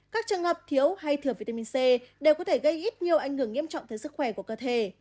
các trường hợp thiếu hay thừa vitamin c đều có thể gây ít nhiều ảnh hưởng nghiêm trọng tới sức khỏe của cơ thể